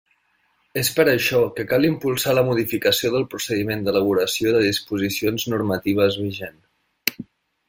És per això que cal impulsar la modificació del procediment d'elaboració de disposicions normatives vigent.